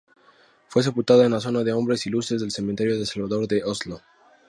Fue sepultada en la zona de hombres ilustres del Cementerio del Salvador de Oslo.